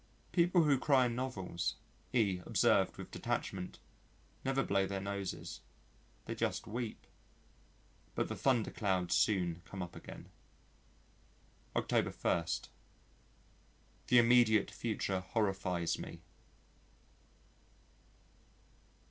"People who cry in novels," E observed with detachment, "never blow their noses. They just weep." ... But the thunder clouds soon come up again. October 1. The immediate future horrifies me.